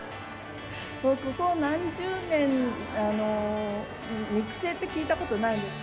もうここ何十年、肉声って聞いたことないんで。